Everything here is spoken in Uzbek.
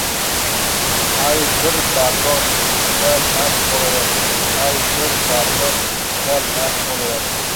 Ay, bir barlos jigitlar mashq olayapti, ay, bir barlos jigitlar mashq olayapti!